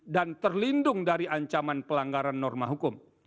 dan terlindung dari ancaman pelanggaran norma hukum